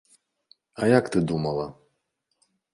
А як ты думала?